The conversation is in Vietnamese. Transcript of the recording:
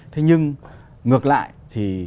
thế nhưng ngược lại thì